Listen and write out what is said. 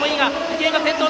池江が先頭。